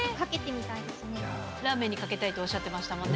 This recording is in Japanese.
ラーメンにかけたいっておっしゃってましたもんね。